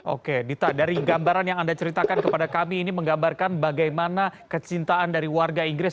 oke dita dari gambaran yang anda ceritakan kepada kami ini menggambarkan bagaimana kecintaan dari warga inggris